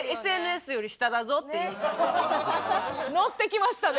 ッてきましたね。